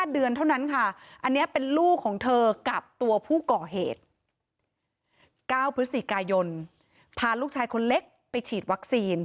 เดือนเท่านั้นค่ะอันนี้เป็นลูกของเธอกับตัวผู้ก่อเหตุ๙พฤศจิกายนพาลูกชายคนเล็กไปฉีดวัคซีน